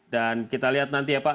dan kita lihat nanti ya pak